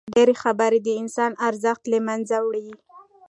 ډېري خبري د انسان ارزښت له منځه وړي.